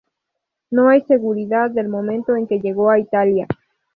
No hay seguridad del momento en que llegó a Italia.